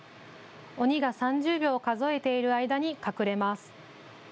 鬼が３０秒数えている間に隠れます。